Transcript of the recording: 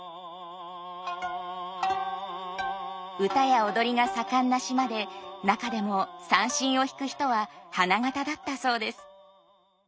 唄や踊りが盛んな島で中でも三線を弾く人は花形だったそうです。